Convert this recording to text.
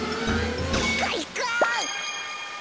かいか！